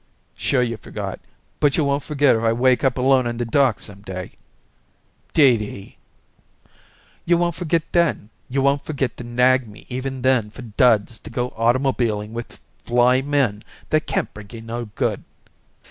"Sure you forgot. But you won't forget if I wake up alone in the dark some day." "Dee Dee!" "You won't forget then. You won't forget to nag me even then for duds to go automobiling with fly men that can't bring you no good."